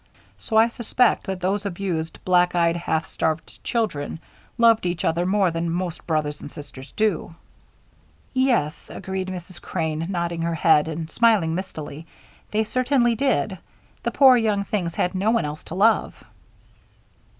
So I suspect that those abused, black eyed, half starved children loved each other more than most brothers and sisters do." "Yes," agreed Mrs. Crane, nodding her head and smiling mistily, "they certainly did. The poor young things had no one else to love."